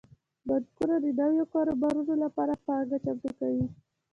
بانکونه د نویو کاروبارونو لپاره پانګه چمتو کوي.